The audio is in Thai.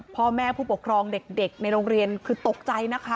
พ่อแม่ผู้ปกครองเด็กในโรงเรียนคือตกใจนะคะ